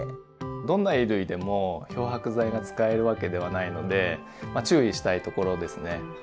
どんな衣類でも漂白剤が使えるわけではないのでまあ注意したいところですね。